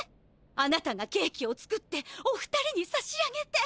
あなたがケーキを作ってお二人にさしあげて！